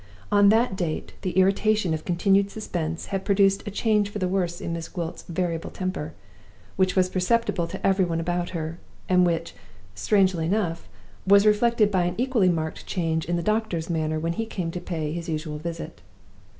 On that date the irritation of continued suspense had produced a change for the worse in Miss Gwilt's variable temper, which was perceptible to every one about her, and which, strangely enough, was reflected by an equally marked change in the doctor's manner when he came to pay his usual visit.